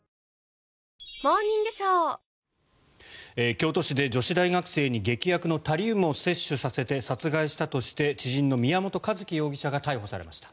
京都市で女子大学生に劇薬のタリウムを摂取させて殺害したとして知人の宮本一希容疑者が逮捕されました。